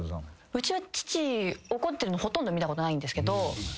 うちは父怒ってるのほとんど見たことないんですけど。